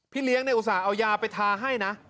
เลี้ยงในอุตส่าห์เอายาไปทาให้นะ